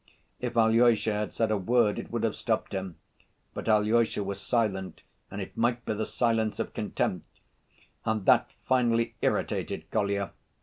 If Alyosha had said a word it would have stopped him, but Alyosha was silent and "it might be the silence of contempt," and that finally irritated Kolya.